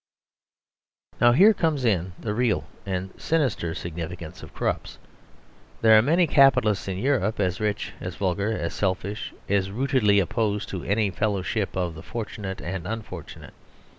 Now here comes in the real and sinister significance of Krupps. There are many capitalists in Europe as rich, as vulgar, as selfish, as rootedly opposed to any fellowship of the fortunate and unfortunate.